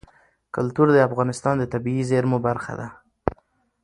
کلتور د افغانستان د طبیعي زیرمو برخه ده.